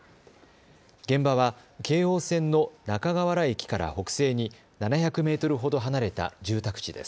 現場は京王線の中河原駅から北西に７００メートルほど離れた住宅地です。